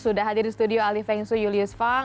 sudah hadir di studio alif feng su julius fang